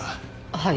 はい。